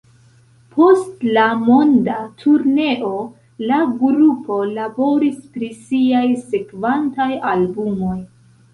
Post la monda turneo, la grupo laboris pri siaj sekvantaj albumoj.